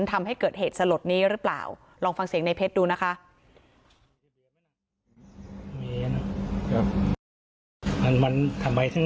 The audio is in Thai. ทำให้เกิดเหตุสลดนี้หรือเปล่าลองฟังเสียงในเพชรดูนะคะ